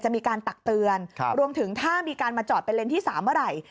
มีการตักเตือนรวมถึงถ้ามีการมาจอดเป็นเลนส์ที่๓เมื่อไหร่